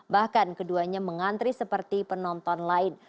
bahkan keduanya mengantri seperti penonton lain